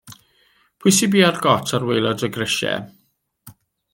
Pwy sydd bia'r gôt ar waelod y grisia?